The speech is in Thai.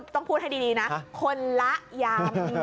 ต้องพูดให้ดีนะคนละยาม